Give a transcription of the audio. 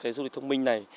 cái du lịch thông minh này